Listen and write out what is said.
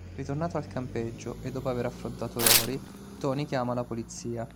Ritornato al campeggio e dopo aver affrontato Rory, Tony chiama la polizia.